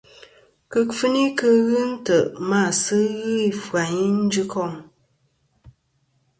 Kɨkfuni ghɨ ntè' ma a sɨ ghɨ ɨfyayn i njɨkom.